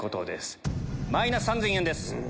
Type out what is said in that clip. マイナス３０００円です。